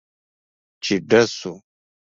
چې ډز سو.